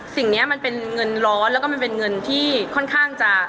สิ่งนี้มันเป็นเงินร้อนแล้วก็มันเป็นเงินที่ค่อนข้างจะ